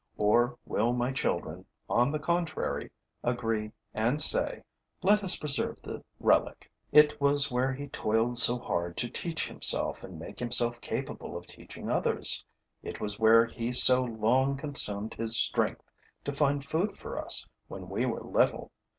Or will my children, on the contrary, agree and say: 'Let us preserve the relic. It was where he toiled so hard to teach himself and make himself capable of teaching others; it was where he so long consumed his strength to find food for us when we were little.